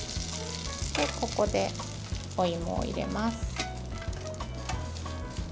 ここでお芋を入れます。